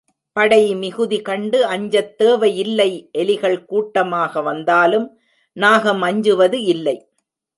படை மிகுதி கண்டு அஞ்சத் தேவை இல்லை எலிகள் கூட்டமாக வந்தாலும் நாகம் அஞ்சுவது இல்லை.